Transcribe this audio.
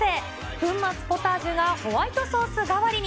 粉末ポタージュがホワイトソース代わりに。